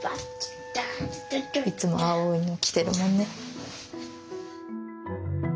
いつも青いの着てるもんね。